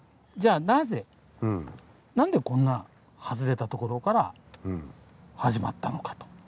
じゃあなぜ何でこんな外れた所から始まったのかと。